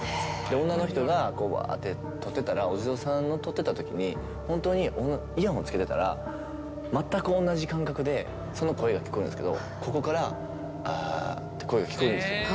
女の人がこう、わーって撮ってたら、お地蔵さんを撮ってたときに、本当に、イヤホンつけてたら、全く同じ感覚でその声が聞こえるんですけど、ここから、あーって声が聞こえるんですよ。